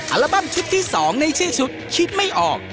อัลบั้มชุดที่๒ในชื่อชุดคิดไม่ออก